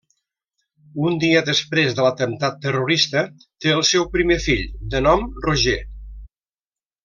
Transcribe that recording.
Un dia després de l'atemptat terrorista té el seu primer fill, de nom Roger.